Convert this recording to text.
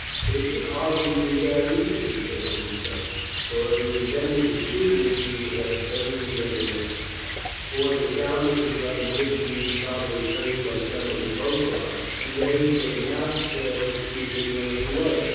"It could hardly be that either," he said to himself, "for if he intended to shoot me he would have turned the other way; for the sound of his gun would be probably heard by some of the coast guard, and they could not fail to see him running away.